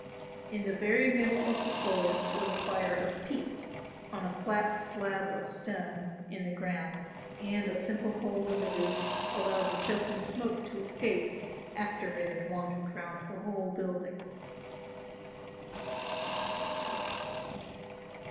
In the very middle of the floor was a fire of peats on a flat slab of stone in the ground and a simple hole in the roof allowed the choking smoke to escape after it had wandered round the whole building.